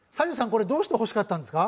これどうして欲しかったんですか？